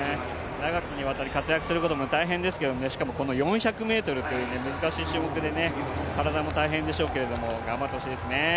長きにわたり活躍することも大変ですけどしかもこの４００ｍという難しい種目で体も大変でしょうけど頑張ってほしいですね。